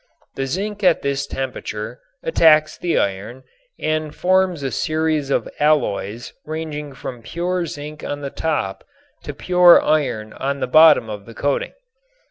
The zinc at this temperature attacks the iron and forms a series of alloys ranging from pure zinc on the top to pure iron at the bottom of the coating.